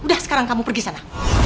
udah sekarang kamu pergi sana